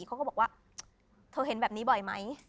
เขาก็บอกว่าเธอเห็นแบบนี้บ่อยไหม